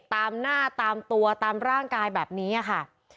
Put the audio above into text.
ตามหน้าตามตัวตามร่างกายแบบนี้ค่ะ